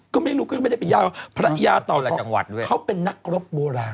ก็ไม่รู้ก็ไม่ได้ไปยาวภรรยาเตาเขาเป็นนักรบโบราณ